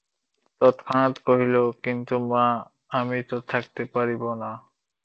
তৎক্ষণাৎ কহিল, কিন্তু মা, আমি তো থাকিতে পারিব না।